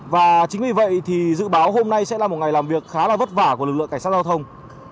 và chính vì vậy thì dự báo hôm nay sẽ là một ngày làm việc khá là vất vả của lực lượng cảnh sát giao thông